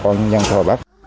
để giải quyết